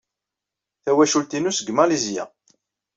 Tawacult-inu seg Malizya.